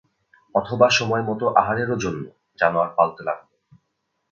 অথবা সময়মত আহারেরও জন্য জানোয়ার পালতে লাগল।